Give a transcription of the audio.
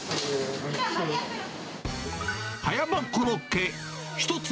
葉山コロッケ３つ。